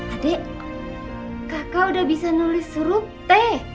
adek kakak udah bisa nulis huruf t